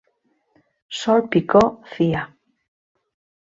Sol Picó Cia.